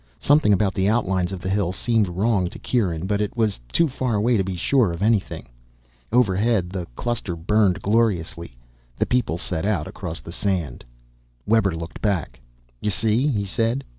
Something about the outlines of the hill seemed wrong to Kieran, but it was too far away to be sure of anything. Overhead the cluster burned gloriously. The people set out across the sand. Webber looked back. "You see?" he said.